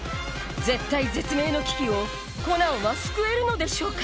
絶体絶命の危機をコナンは救えるのでしょうか？